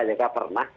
ya kan pernah